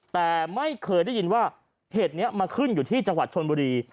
แต่ไม่เคยได้ยินว่าเหตุนี้มาขึ้นอยู่ที่จังหวัดชนบุรี